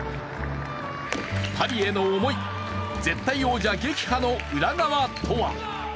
パリへの思い、絶対王者撃破の裏側とは。